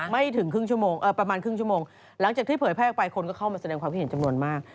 ไม่ถึงครึ่งชั่วโมงประมาณครึ่งชั่วโมงหลังจากที่เผยแพร่ออกไปคนก็เข้ามาแสดงความคิดเห็นจำนวนมาก